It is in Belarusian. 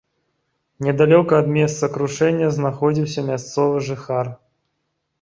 Недалёка ад месца крушэння знаходзіўся мясцовы жыхар.